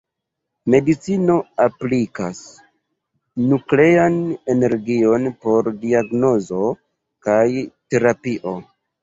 Medicino aplikas nuklean energion por diagnozo kaj terapio.